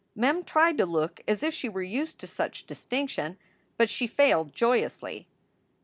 Mem tried to look as if she were used to such distinction, but she failed joyously.